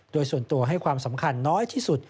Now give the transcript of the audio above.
โดยส่วนตัวให้ความสำคัญน้อยที่สุด